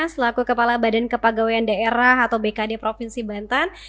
selaku kepala badan kepagawian daerah atau bkd provinsi bantan